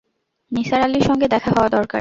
নিসার আলির সঙ্গে দেখা হওয়া দরকার।